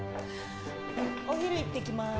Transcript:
お昼行ってきまーす！